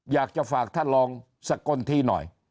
อยากจะฝากท่านรองสกลทีหน่อย